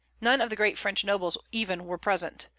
None of the great French nobles even were present.